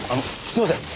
すいません。